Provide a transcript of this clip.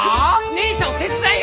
姉ちゃんを手伝いや！